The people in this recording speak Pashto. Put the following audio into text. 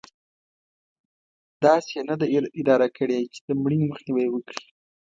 داسې یې نه دي اداره کړې چې د مړینې مخنیوی وکړي.